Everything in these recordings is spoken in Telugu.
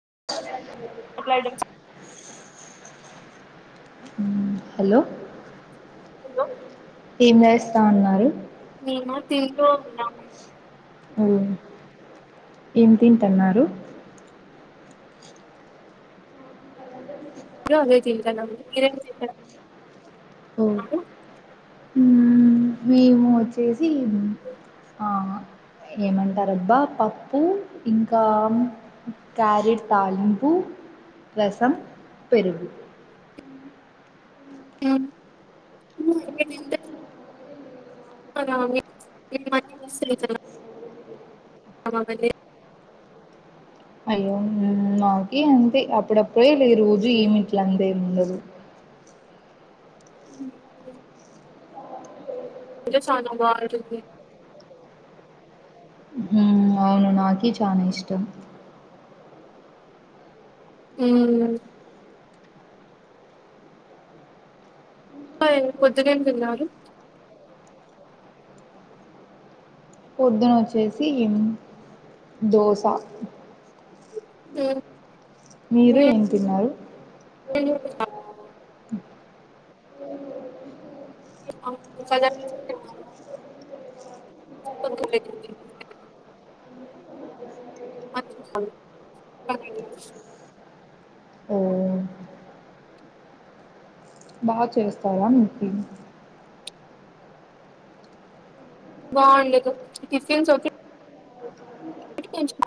అ మాట్లాడిక్ ఉ హలో హలో ఏం చేస్తాన్నారు మేమ తింటూ ఉన్నాం ఓ ఏం తింటన్నారు అదే చేత మీరే [unintelligible] ఓ హ్మ్. మేము వచ్చేసి ఆ ఏమంటారబ్బా పప్పు ఇంకా క్యారెట్ తాలింపు రసం పెరుగు మీరు తింటున్నారా మేమన్నీ మిస్ అవుతున్నాం అవన్నీ అయ్యో మాకి అంతే అప్పుడప్పుడేలే రోజు ఏమి ఇట్ల అంతేమ్ ఉండదు అ ఇంక చానా బాగుంటుంది ఉ అవును నాకీ చానా ఇష్టం అ ఇవాళ పొద్దునేం తిన్నారు పొద్దున వచ్చేసి దోశ అ మీరు ఏం తిన్నారు తె [unintelligible] జ [unintelligible] కొ [unintelligible] అ [unintelligible] ఓహ్! బాగా చేస్తారా మీకి బాగుండదు టిఫిన్స్ ఒకటి కొంచెం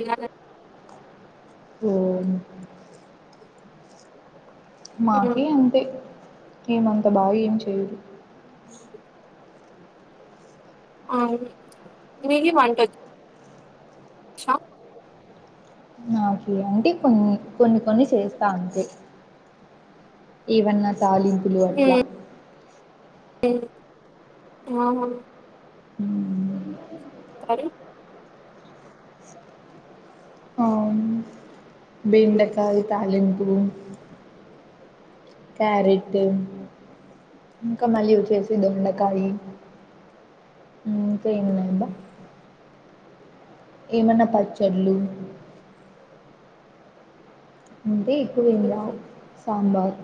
ఇలా [unintelligible] మాకి అంతే ఏమంత బాగా ఏం చేయరు అవును మీకి వంట వచ్చా ఓకే అంటే కొన్ని కొన్ని కొన్ని చేస్తా అంతే ఏవన్నా తాలింపులు అట్లా ఉ సరే [unintelligible] అవును బెండకాయ తాలింపు క్యారెట్ ఇంకా మల్లి వచ్చేసి దొండకాయి చేన్నాబా [unintelligible] ఏమన్నా పచ్చళ్ళు అంతే ఎక్కువేం రావు సాంబార్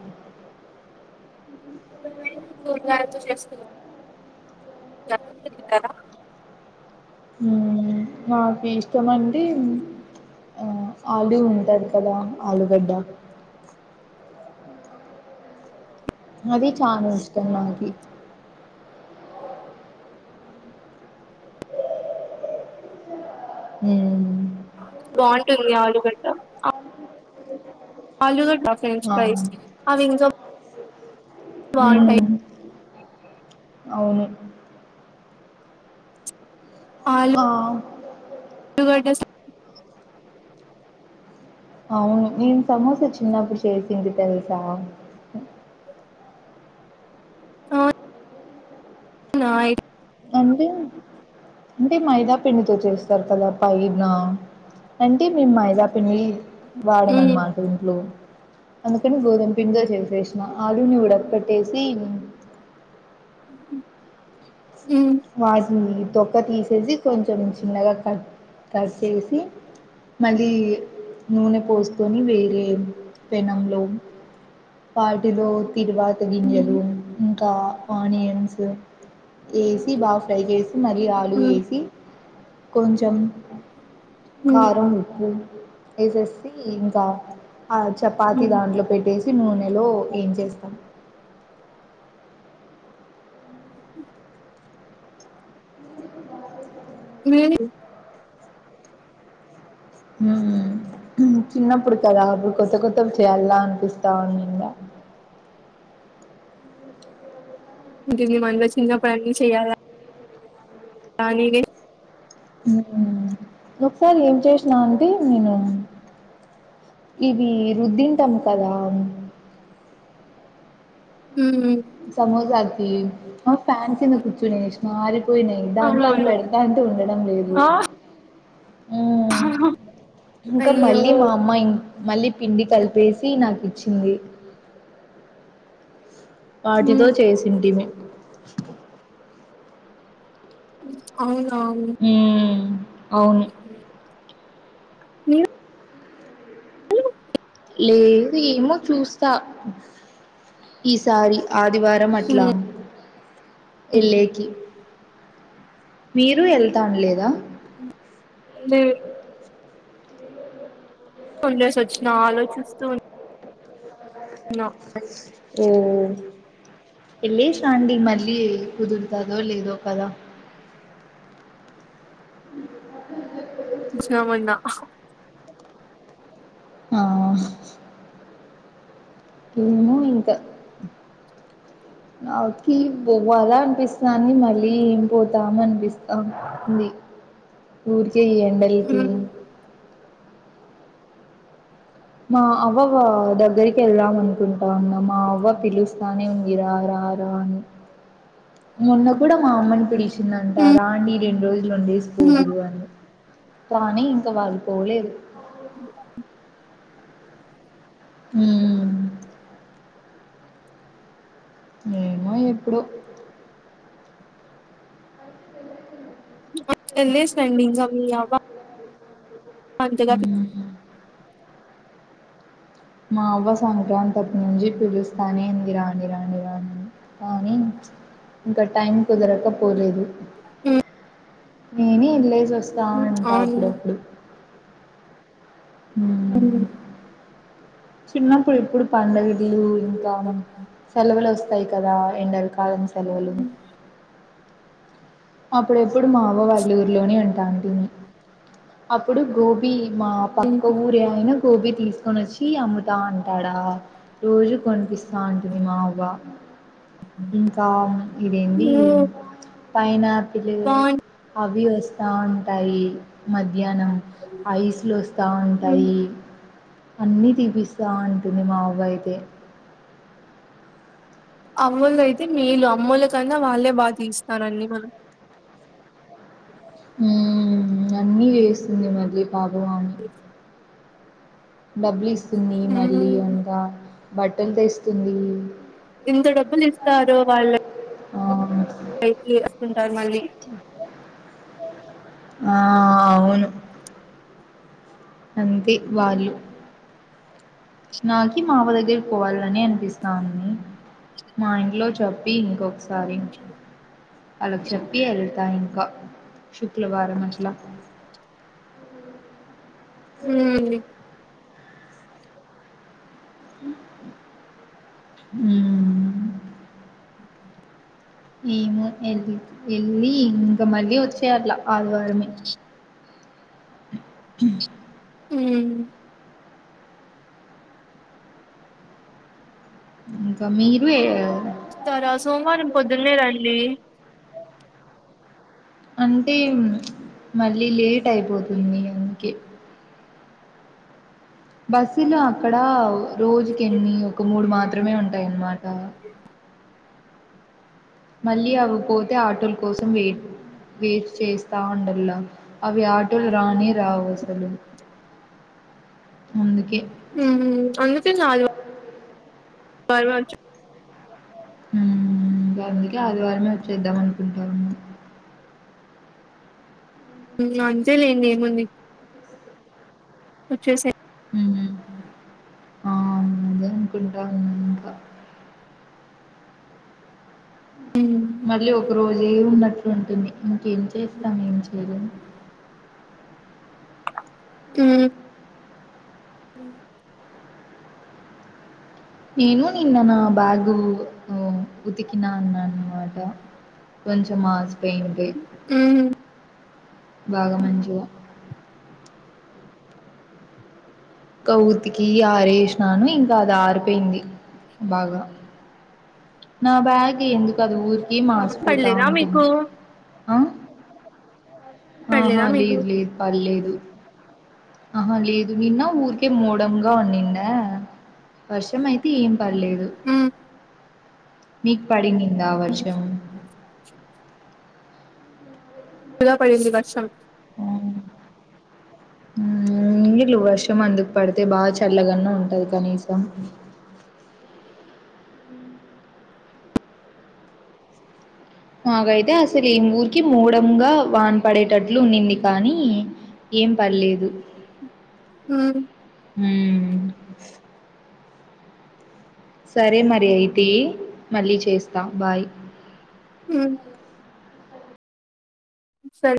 తగా త చేస్త [unintelligible] నమస్తే [inaudible] ఉ నాకు ఇష్టమైంది ఆ ఆలు ఉంటది కదా ఆలుూగడ్డ అది చానా ఇష్టం నాకి మ్మ్ బాగుంటుంది ఆలుగడ్డ ఆలు ఫ్రెంచ్ ఆ ఫైస్ అవి బాగుంటాయి మ్మ్ అవును ఆలు ఆ [unintelligible] అవును నేను సమోస చిన్నప్పుడు చేసింటి తెలుసా ఆ అంటే అంటే మైదా పండితో చేస్తారు కదా పైనా అంటే మేము మైదా పండి వాడమ ఉమ్ అన్నమాట ఇంట్లో అందుకని గోధుమ పిండి తో చేసేసి ఆలుని కూడ పెట్టేసి ఉమ్ వాటిని తొక్క తీసేసి కొంచెం చిన్నగా కట్ [unintelligible] చేసి మళ్ళీ నూనె పోసుకొని వేరే పెనంలో వాటిలో తిరువాత ఉమ్ గింజెలు ఇంకా ఆనియన్స్ వేసి బాగా ఫ్రై చేసి మళీ ఆలు ఉమ్ వేసి కొంచెం ఉమ్ కారం ఉప్పు వేసేసి ఇంకా ఆ చపాతి ఉమ్ దాంట్లో పెట్టే నూనెలో యెన్ చేస్తాం మీ చిన్నప్పుడు కదా అప్పుడు కొత్త కొత్త చేయాల అనిపిస్తా ఉండ [unintelligible] చిన్నప్పుడు అన్నీ చెయ్యాలా [unintelligible] ఒకసారి ఏం చేసినా అంటే నేను ఇవి రుద్దింటాము కదా ఉమ్ సమోస కి ఆ ఫ్యాన్ కింద కూర్చునేసిన దాంట్లో ఆది అవునవును పెడుతుంటే ఉండడం లేదు ఆ అ ఇంకా అయ్యో మళ్ళీ మా అమ్మాయి మళ్ళీ పిండి కలిపేసి నాకు ఇచ్చింది వాటితో ఉమ్ చేసింటిమి అవున హు మీ లేదు ఏమో చూస్త ఈసారి ఆదివారం అట్లా ఉమ్ ఏళ్ళేకి మీరు వెళ్తానలేదా లేదు [unintelligible] వచ్చిన ఆలోచిస్తూ ఉన్నా ఓ ఎల్లేసి రాండి మళ్ళీ కుదురతదో లేదో కదా జమన్న ఆ ఇన్న ఇంకా నాకి [unintelligible] అనిపిస్ [unintelligible] మళ్ళీ ఏం పోతాం అనిపిస్తుంది ఊరికే ఈ ఎండలకి మా అవ్వ దగ్గరికి వెళ్ళామని అనుకుంటా ఉన్నా మా అవ్వ పిలుస్తానే ఉంది రా రా రా అని మొన్న కూడా మా అమ్మని పిలిచిందంట రాండి రెండు రోజులు వండేసి పోదురు అని కానీ ఇంక వాళ్ళు పోలేదు హు ఏమో ఎప్పుడు స్పండింగ్ అవిబ అంతగా మా అవ్వ సంక్రాంతి నుంచి పిలుస్తానే ఉంది రాంణి రాణి రాండిని కానీ ఇంకా టైం కుదరక పోలేదు నేనే ఎల్లేసి వస్తా ఉంటా అవును అప్పుడప్పుడు అ మ్మ్. చిన్నప్పుడు ఇప్పుడు పడుగలు ఇంకా సెలవులు వస్తాయి కదా ఎండ కాలం సెలవులు అప్పుడెప్పుడు మా అవ్వ ఊర్లోనే ఉంటాంటిని అప్పుడు గోబీ మా పక్క ఊరే అయినా గోబీ తీసుకొని వచ్చి టి అమ్ముతా అంటాడా రోజు కొనిపిస్తా అంటుంది మా అవ్వ ఇంకా ఇదేంది పైన పిలో బాగు అవి వస్తా ఉంటాయి మద్ మధ్యాహ్నం ఐస్ లో వస్తా ఉంటాయి అన్ని తీపిస్త తా అంటది మా అవ్వ అయితే అవ్వలు అయితే మేలు అమ్మల కన్నా వాళ్ళే బాగా తీస్తారండి మనం అన్ని ఏస్తుంది మళ్ళీ పాప ఇ డబ్బులు ఇస్తుంది మళ్ళీ అంకా బట్టలు తెస్తుంది ఇంత డబ్బులు ఇస్తారు వాళ్ళ్ ఆ టైకి వస్తుంటారు మళ్ళీ ఆ అవును అంతే వాళ్ళు నాకి మావ దగ్గరికి పోవాలని అనిపిస్తాంది మా ఇంట్లో చెప్పి ఇంకొకసారి అళకి చెప్పి ఎల్తా గా శుక్రవారం అట్లా హ్మ్మ్ హ్మ్మ్ ఏమో వెళ వెళ్ళి ఇంకా మళ్ళీ వచ్చేయలా ఆదివారమే హ్మ్మ్ ఇంకా మీరు చూస్తారా సోమవారం పొద్దున్నే రండి అంటే మళ్ళీ లేట్ అయిపోతుంది అందుకే బస్సులు అక్కడ రోజుకి ఎన్ని ఒక మూడు మాత్రమే ఉంటాయి అన్నమాట అ మళ్ళీ అవి పోతే ఆటల కోసం వెయిట్ చేస్తా ఉండలా అవి ఆటోలు‌ రానే రావు అసలు అందుకే అందుకే ఆద్ బార్ వాచే అందుకే ఆదివారమే వచ్చేద్దాం అనుకుంటాను అంతే లేండి ఏముంది వచ్చే సే ఆ అదే అనుకుంటా ఉన్నాను ఇంకా. మళ్ళీ ఒక రోజే ఉన్నట్లుంటుంది ఇంకేం చేస్తాం ఏం చేయలేం హ్మ్మ్ హ్మ్మ్ నేను నిన్న నా బ్యాగు ఉతికినా అన్నాన్మాట కొంచం మాసిపోయింటే ఉమ్ బాగా మంచిగ కా ఉతికి ఆరేసినాను ఇంకా అది ఆర్ పోయింది బాగా నా బ్యాగ్ ఎందుకది ఊ గి మాసిపోతా పడలేదా ఉంటది మీకు అ ఆహా పడలేదా మీకు లేదు లేదు పడ్లేదు ఆహా లేదు నిన్న ఊరికే మూడంగా వుండింద వర్షం అయితే ఏం పడ్లేదు ఉమ్ మీకు పడింది దా వర్షం గ పడింది వర్షం అ నీర్లు వర్షం అందుకు పడితే బాగా చల్లగన్న ఉంటది కనీసం మాగైతే అసలు ఈ ఊరికి మూడంగా వాన పడేటట్లు ఉన్నింది కానీ ఏం పడ్లేదు ఉమ్ మ్ సరే మరి అయితే ఏ మళ్ళీ చేస్తా బాయ్ మ్ సరే